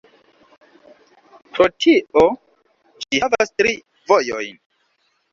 Pro tio, ĝi havas tri vojojn.